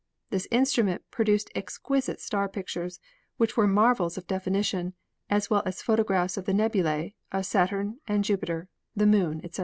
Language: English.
This instrument pro duced exquisite star pictures, which were marvels of definition, as well as photographs of the nebulae, of Saturn and Jupiter, the Moon, etc."